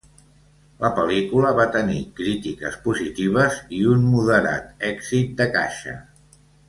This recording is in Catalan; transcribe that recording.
La pel·lícula va tenir crítiques positives i un modera èxit de caixa.